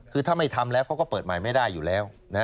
คือถ้าไม่ทำแล้วเขาก็เปิดใหม่ไม่ได้อยู่แล้ว